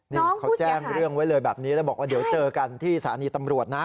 นี่เขาแจ้งเรื่องไว้เลยแบบนี้แล้วบอกว่าเดี๋ยวเจอกันที่สถานีตำรวจนะ